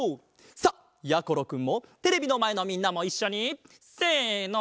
さあやころくんもテレビのまえのみんなもいっしょにせの。